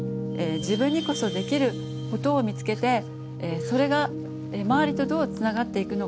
自分にこそできることを見つけてそれが周りとどうつながっていくのか